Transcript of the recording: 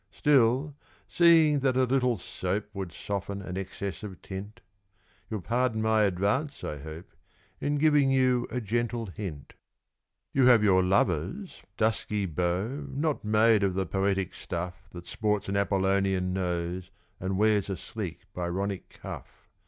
Still, seeing that a little soap Would soften an excess of tint, You'll pardon my advance, I hope, In giving you a gentle hint. You have your lovers dusky beaux Not made of the poetic stuff That sports an Apollonian nose, And wears a sleek Byronic cuff.